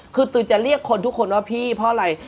คือตือจะเรียกคนทุกคนว่าพี่เพราะอะไร